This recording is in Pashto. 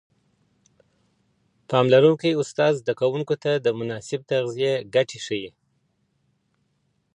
پاملرونکی استاد زده کوونکو ته د مناسب تغذیې ګټې ښيي.